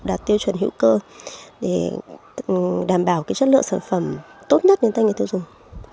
đạt tiêu chuẩn hữu cơ để đảm bảo chất lượng sản phẩm tốt nhất đến tay người tiêu dùng